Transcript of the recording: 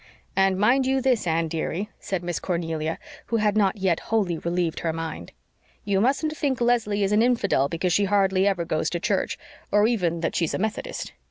"And mind you this, Anne, dearie," said Miss Cornelia, who had not yet wholly relieved her mind, "You mustn't think Leslie is an infidel because she hardly ever goes to church or even that she's a Methodist.